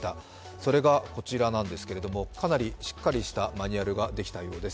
それがこちらなんですけれども、かなりしっかりしたマニュアルができたようです。